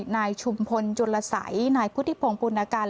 นายชุมพลจุลสัยนายพุทธิพงศ์ปุณกัน